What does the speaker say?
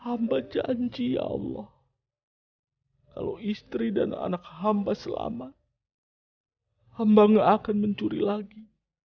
hamba janji allah kalau istri dan anak hamba selamat hamba enggak akan mencuri lagi